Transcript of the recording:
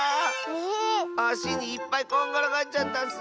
あしにいっぱいこんがらがっちゃったッス！